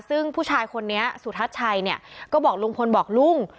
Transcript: ซึ่งผู้ชายคนนี้สุทัศน์ชัยเนี่ยก็บอกลุงพลบอกลุง